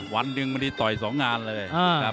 วันหนึ่งไม่ได้ต่อย๒งานเลย